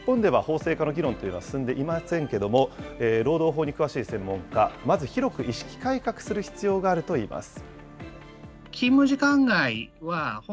日本では法制化の議論というのは進んでいませんけども、労働法に詳しい専門家、まず広く意識改革する必要があるといいます。